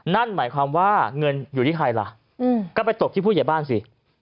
นั่นหมายความว่าเงินอยู่ที่ใครล่ะก็ไปตกที่ผู้ใหญ่บ้านสิ